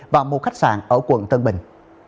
và một khách sạn ở quận tân bình